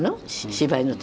芝居の時に。